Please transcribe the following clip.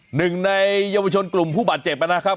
หนึ่งในเยาวชนกลุ่มผู้บาดเจ็บนะครับ